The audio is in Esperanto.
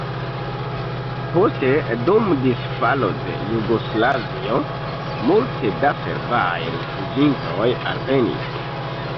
Poste dum disfalo de Jugoslavio multe da serbaj rifuĝintoj alvenis.